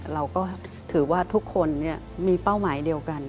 เราก็ถือว่าทุกคนมีเป้าหมายเดียวกัน